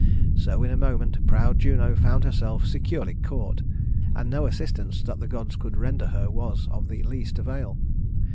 So in a moment proud Juno found herself securely caught, and no assistance that the gods could render her was of the least avail.